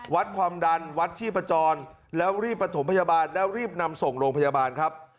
วัดความดันวัดชีพจรแล้วรีบประถมพยาบาลแล้วรีบนำส่งโรงพยาบาลครับ